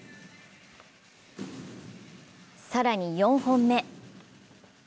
更に４本目。